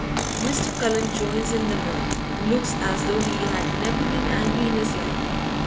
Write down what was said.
Mr. Cullen joins in the mirth, looks as though he had never been angry in his life.